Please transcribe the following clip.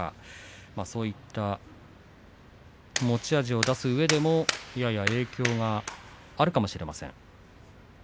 そういった持ち味を出すうえでもやや影響があるかもしれません。